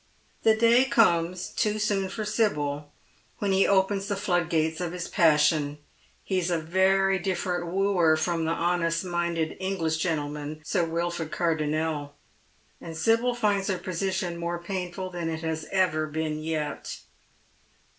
The day comes, too soon for Sibyl, when he opens the floodgates of his passion. He is a very different wooer fi'om the honest minded English gentleman. Sir Wilford Car donnel, and Sibyl finds her position more painful than it has ever been yet.